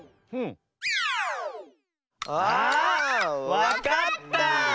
わかった！